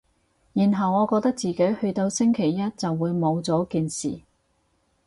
然後我覺得自己去到星期一就會冇咗件事